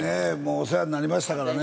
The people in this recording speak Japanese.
お世話になりましたからね。